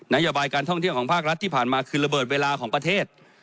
โยบายการท่องเที่ยวของภาครัฐที่ผ่านมาคือระเบิดเวลาของประเทศ